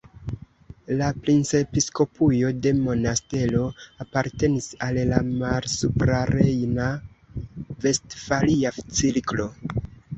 La princepiskopujo de Monastero apartenis al la Malsuprarejna-Vestfalia cirklo.